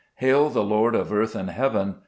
5 Hail the Lord of earth and heaven !